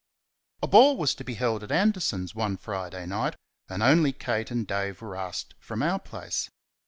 A ball was to be held at Anderson's one Friday night, and only Kate and Dave were asked from our place.